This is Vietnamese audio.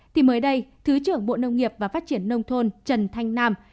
thì mới đây thứ trưởng bộ nông nghiệp và phát triển nông thôn trần thanh nam